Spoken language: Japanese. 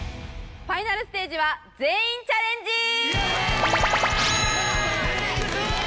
ＦＩＮＡＬステージは全員チャレンジ！